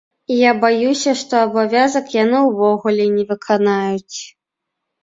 І я баюся, што абавязак яны ўвогуле не выканаюць.